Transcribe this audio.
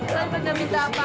sampai dia minta apa